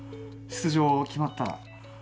出場決まった。